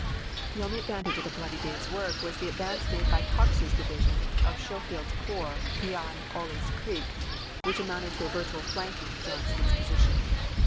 The only advantage of the bloody day's work was the advance made by Cox's division of Scho field's corps beyond Olley's Creek, which amounted to a virtual flanking of Johnston's position.